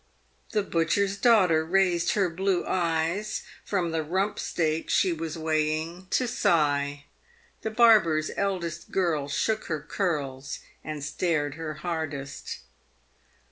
The butcher's daughter raised her blue eyes from the rumpsteaks she was weighing, to sigh. The barber's eldest girl shook her curls and stared her hardest.